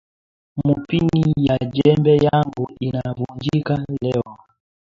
Mupini ya jembe yangu ina vunjika leo